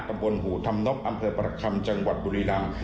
กระบวนหูธรรมนกอำเภอประคัมจังหวัดบุรีรัง